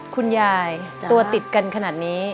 คุณยายตัวติดกันขนาดนี้